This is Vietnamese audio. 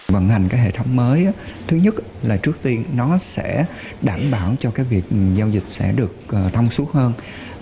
vận hành các hệ thống mới thứ nhất là trước tiên nó sẽ đảm bảo cho cái việc giao dịch sẽ được thông suốt hơn